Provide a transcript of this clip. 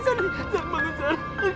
siap bangun sar